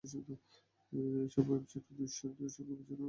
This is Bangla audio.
এসব ওয়েবসাইটে অনুসারীর সংখ্যার বিচারেও অনেক তারকার চেয়ে এগিয়ে আছেন তিনি।